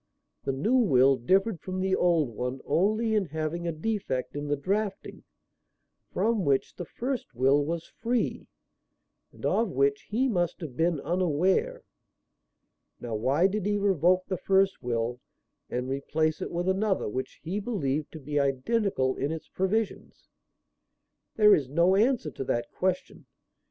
The new will differed from the old one only in having a defect in the drafting from which the first will was free, and of which he must have been unaware. Now why did he revoke the first will and replace it with another which he believed to be identical in its provisions? There is no answer to that question.